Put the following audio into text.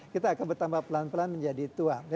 kita akan bertambah pelan pelan menjadi tua